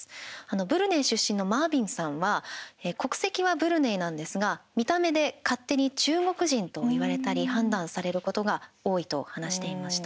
ブルネイ出身のマービンさんは国籍はブルネイなんですが見た目で勝手に中国人と言われたり判断されることが多いと話していました。